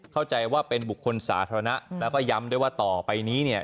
เข้าใจว่าเป็นบุคคลสาธารณะแล้วก็ย้ำด้วยว่าต่อไปนี้เนี่ย